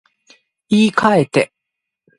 言い換えて